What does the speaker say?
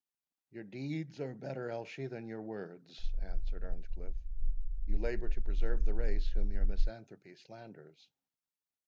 "Your deeds are better, Elshie, than your words," answered Earnscliff; "you labour to preserve the race whom your misanthropy slanders."